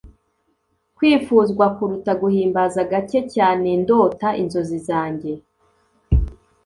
kwifuzwa kuruta guhimbaza gake cyanendota inzozi zanjye